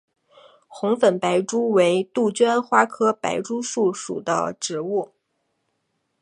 红粉白珠为杜鹃花科白珠树属的植物。